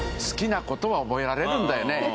好きなことは覚えられるんだよね。